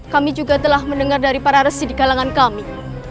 kami juga telah mendengar dari para resi di kalangan kami